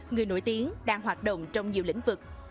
người nổi tiếng đang hoạt động trong nhiều lĩnh vực